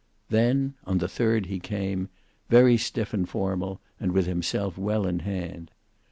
Then on the third he came, very stiff and formal, and with himself well in hand.